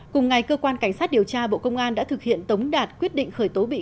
cùng ngày cơ quan cảnh sát điều tra bộ công an đã thực hiện tống đạt quyết định khởi tố bị can